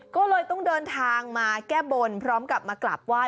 ก็เลยต้องเดินทางมาแก้บนพร้อมกับมากราบไหว้